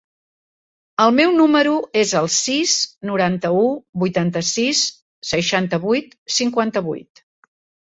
El meu número es el sis, noranta-u, vuitanta-sis, seixanta-vuit, cinquanta-vuit.